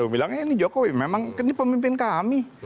bilang ya ini jokowi memang ini pemimpin kami